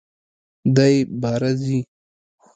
دی باره ځي!